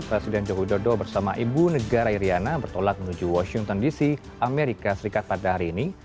presiden joko widodo bersama ibu negara iryana bertolak menuju washington dc amerika serikat pada hari ini